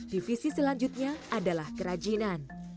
divisi selanjutnya adalah kerajinan